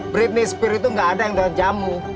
britney spears itu gak ada yang dateng jamu